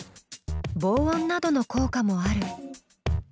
防音などの効果もある。